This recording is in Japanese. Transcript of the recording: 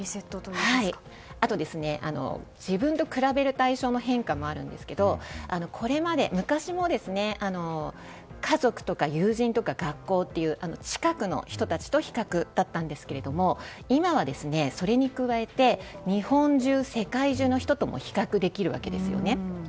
あと、自分と比べる対象の変化もあるんですがこれまで、昔も家族とか友人とか近くの人たちとの比較だったんですけど今はそれに加えて日本中、世界中の人とも比較できるわけですよね。